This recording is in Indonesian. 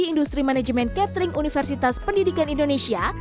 industri manajemen catering universitas pendidikan indonesia